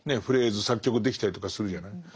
フレーズ作曲できたりとかするじゃない。